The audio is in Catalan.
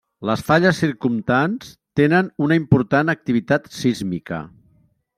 Les falles circumdants tenen una important activitat sísmica.